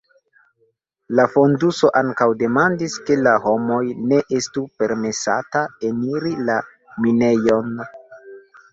La fonduso ankaŭ demandis ke la homoj ne estu permesata eniri la minejon.